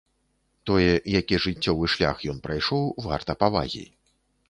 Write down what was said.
Тое, які жыццёвы шлях ён прайшоў, варта павагі.